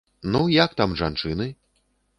Ну, як там жанчыны?